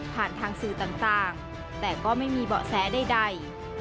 ผ่านทางสื่อต่างแต่ก็ไม่มีเบาะแสใด